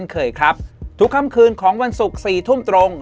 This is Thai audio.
เคยครับทุกค่ำคืนของวันศุกร์๔ทุ่มตรง